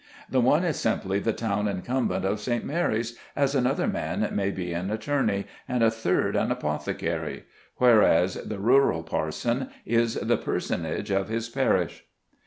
The one is simply the town incumbent of St. Mary's as another man may be an attorney, and a third an apothecary; whereas the rural parson is the personage of his parish.